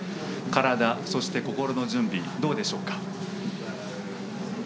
体、そして心の準備どうでしょうか？